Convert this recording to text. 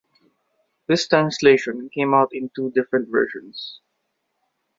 This translation came out in two different versions.